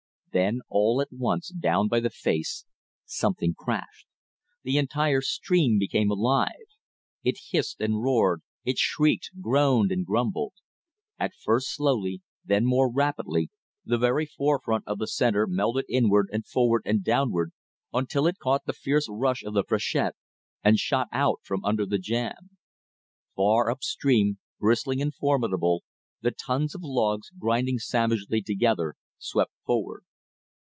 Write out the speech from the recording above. Then all at once down by the face something crashed. The entire stream became alive. It hissed and roared, it shrieked, groaned and grumbled. At first slowly, then more rapidly, the very forefront of the center melted inward and forward and downward until it caught the fierce rush of the freshet and shot out from under the jam. Far up stream, bristling and formidable, the tons of logs, grinding savagely together, swept forward.